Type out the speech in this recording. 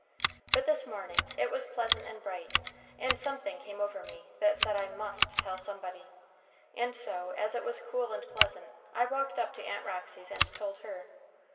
But this morning it was pleasant and bright, and something came over me that said I must tell somebody, and so, as it was cool and pleasant, I walked up to Aunt Roxy's and told her.